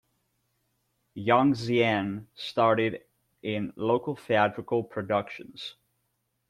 Young Zien started in local theatrical productions.